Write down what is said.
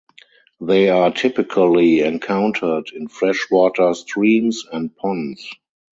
They are typically encountered in freshwater streams and ponds.